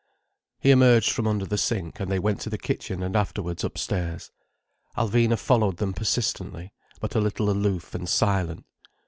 He emerged from under the sink, and they went to the kitchen and afterwards upstairs. Alvina followed them persistently, but a little aloof, and silent.